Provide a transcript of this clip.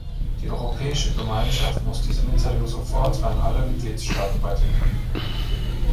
Die Europäische Gemeinschaft muss diese Mitteilung sofort an alle Mitgliedstaaten weitergeben.